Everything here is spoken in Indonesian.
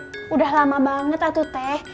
sudah lama banget ah tuteh